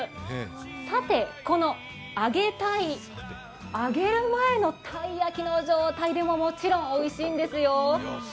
さて、このあげたい揚げる前のたい焼きの状態でももちろんおいしいんですよ。